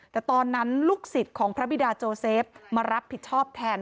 แต่ตอนนั้นลูกศิษย์ของพระบิดาโจเซฟมารับผิดชอบแทน